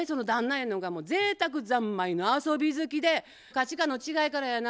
ゆうのが贅沢三昧の遊び好きで価値観の違いからやな